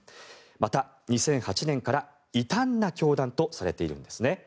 また２００８年から異端な教団とされているんです。